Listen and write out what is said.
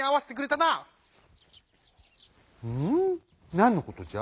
なんのことじゃ？